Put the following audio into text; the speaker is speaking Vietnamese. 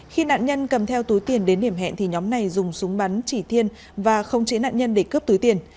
khi nạn nhân cầm theo túi tiền đến điểm hẹn thì nhóm này dùng súng bắn chỉ thiên và không chế nạn nhân để cướp túi tiền